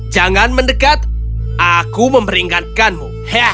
jangan mendekat aku memberingatkanmu